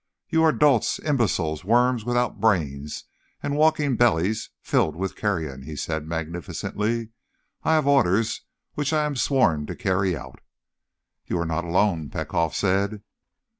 "You are dolts, imbeciles, worms without brains and walking bellies filled with carrion!" he said magnificently. "I have orders which I am sworn to carry out!" "You are not alone," Petkoff said.